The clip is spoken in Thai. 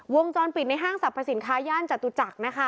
วงจรปิดในห้างสรรพสินค้าย่านจตุจักรนะคะ